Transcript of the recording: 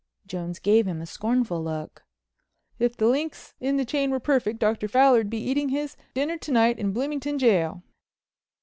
Jones gave him a scornful look. "If the links in the chain were perfect Dr. Fowler'd be eating his dinner to night in Bloomington Jail."